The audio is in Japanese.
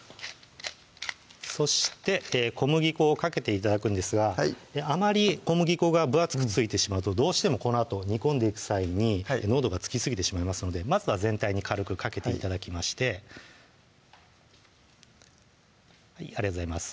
そして小麦粉をかけて頂くんですがあまり小麦粉が分厚く付いてしまうとどうしてもこのあと煮込んでいく際に濃度がつきすぎてしまいますのでまずは全体に軽くかけて頂きましてありがとうございます